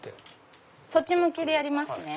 そっち向きでやりますね